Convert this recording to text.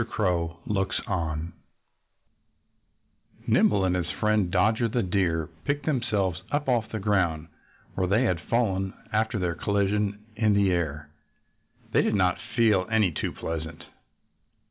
CROW LOOKS ON Nimble and his friend Dodger the Deer picked themselves up off the ground where they had fallen after their collision in the air. They did not feel any too pleasant.